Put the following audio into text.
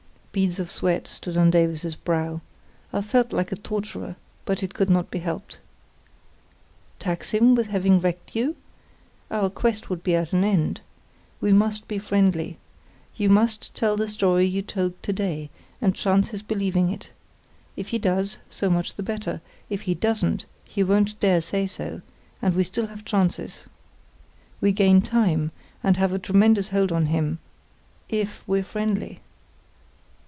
Beads of sweat stood on Davies's brow. I felt like a torturer, but it could not be helped. "Tax him with having wrecked you? Our quest would be at an end! We must be friendly. You must tell the story you told to day, and chance his believing it. If he does, so much the better; if he doesn't, he won't dare say so, and we still have chances. We gain time, and have a tremendous hold on him—if we're friendly."